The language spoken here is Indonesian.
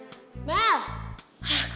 kemana situ anak